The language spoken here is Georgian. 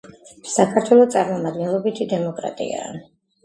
საქართველო წარმომადგენლობითი დემოკრატიაა,